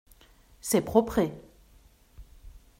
C’est propret.